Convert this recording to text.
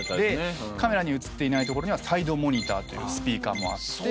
カメラに写っていないところにはサイドモニターというスピーカーもあって。